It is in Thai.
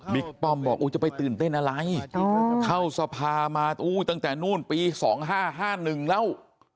ป้อมบอกจะไปตื่นเต้นอะไรเข้าสภามาตั้งแต่นู่นปี๒๕๕๑แล้ว